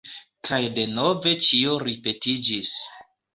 Kaj denove ĉio ripetiĝis.